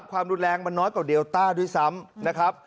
ความรุนแรงมันน้อยกว่าเดลต้าด้วยซ้ำนะครับ